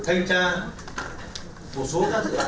thanh tra một số các dự án